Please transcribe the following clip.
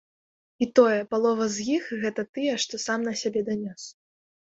І тое, палова з іх гэта тыя, хто сам на сябе данёс.